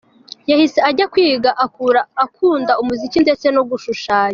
Yahise ajya kwiga, akura akunda umuziki ndetse no gushushanya.